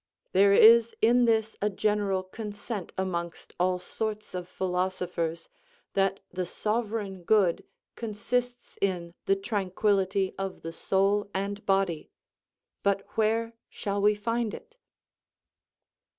There is in this a general consent amongst all sorts of philosophers, that the sovereign good consists in the tranquillity of the soul and body; but where shall we find it?